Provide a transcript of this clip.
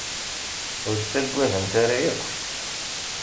Ur ttaggadent ara akk.